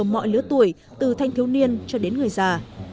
mọi lứa tuổi từ thanh thiếu niên cho đến người già